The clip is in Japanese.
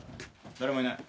誰もいない。